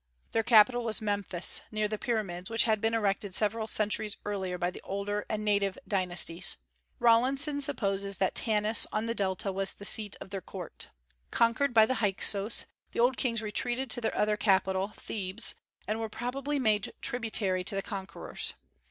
Their capital was Memphis, near the pyramids, which had been erected several centuries earlier by the older and native dynasties. Rawlinson supposes that Tanis on the delta was the seat of their court. Conquered by the Hyksos, the old kings retreated to their other capital, Thebes, and were probably made tributary to the conquerors.